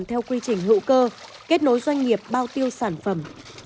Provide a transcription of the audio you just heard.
theo quy trình hữu cơ kết nối doanh nghiệp bao tiêu sản phẩm